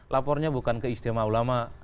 lapornya bukan ke istimewa ulama